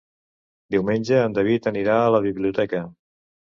Diumenge en David anirà a la biblioteca.